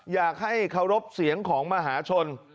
อยากให้เคารพเสียงของมหาชน